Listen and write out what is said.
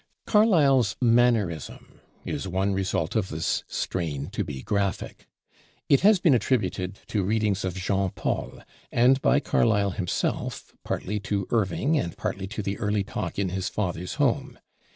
Carlyle's "mannerism" is one result of this strain to be graphic. It has been attributed to readings of Jean Paul, and by Carlyle himself, partly to Irving and partly to the early talk in his father's home.